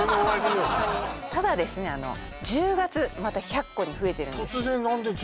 もうただですね１０月また１００個に増えてるんです